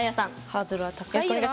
ハードルは高いよな。